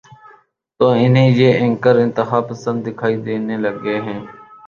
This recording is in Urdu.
تو انہیں یہ اینکر انتہا پسند دکھائی دینے لگے ہیں۔